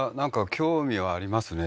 興味はありますね